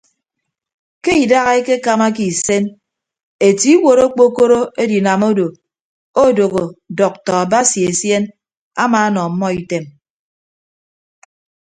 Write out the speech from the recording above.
Ke idaha ekekamake isen etie iwuot okpokoro edinam odo odooho dọkta basi esien amaanọ ọmmọ item.